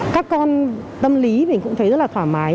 các con tâm lý mình cũng thấy rất là thoải mái